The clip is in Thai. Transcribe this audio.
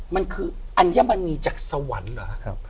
มันคืออัญมณีจากสวรรค์เหรอ